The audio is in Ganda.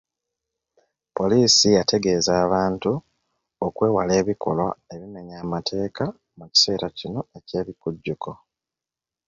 Poliisi yategeeza abantu okwewala ebikolwa ebimenya amateeka mu kiseera kino eky'ebikujjukko.